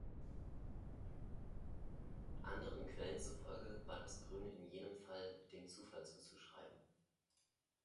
Anderen Quellen zufolge war das Grün in jenem Fall dem Zufall zuzuschreiben.